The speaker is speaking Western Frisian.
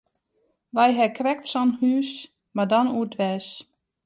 Wy hawwe krekt sa'n hús, mar dan oerdwers.